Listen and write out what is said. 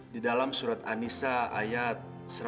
di dalam surat anisa ayat satu ratus enam